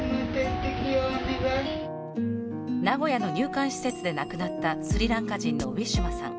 名古屋の入管施設で亡くなったスリランカ人のウィシュマさん。